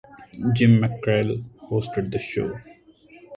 Jim McKrell hosted the show.